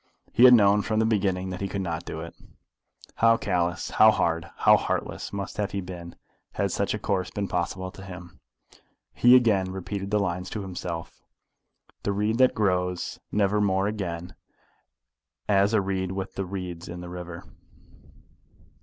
He had known from the beginning that he could not do it. How callous, how hard, how heartless, must he have been, had such a course been possible to him! He again repeated the lines to himself The reed that grows never more again As a reed with the reeds in the river.